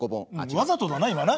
わざとだな今な。